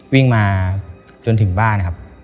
วิ่งมาจนถึงบ้าน